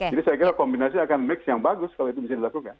jadi saya kira kombinasi akan mix yang bagus kalau itu bisa dilakukan